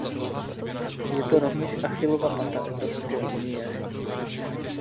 Je to rovněž Achillova pata Evropské unie.